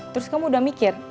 terus kamu udah mikir